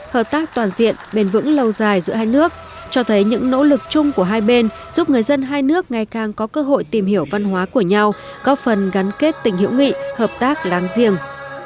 hợp tác toàn diện bền vững lâu dài giữa hai nước cho thấy những nỗ lực chung của hai bên giúp người dân hai nước ngày càng có cơ hội tìm hiểu văn hóa của nhau góp phần gắn kết tình hữu nghị hợp tác láng giềng